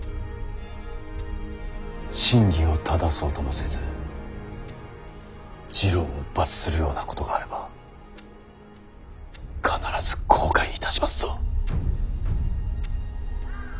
真偽をただそうともせず次郎を罰するようなことがあれば必ず後悔いたしますぞ。